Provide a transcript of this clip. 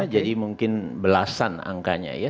jadi mungkin belasan angkanya ya